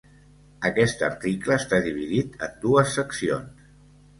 Aquest article està dividit en dues seccions.